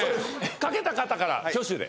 書けた方から挙手で。